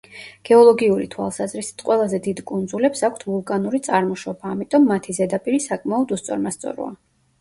გეოლოგიური თვალსაზრისით, ყველაზე დიდ კუნძულებს აქვთ ვულკანური წარმოშობა, ამიტომ მათი ზედაპირი საკმაოდ უსწორმასწოროა.